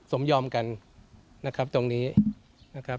สมยอมกันนะครับตรงนี้นะครับ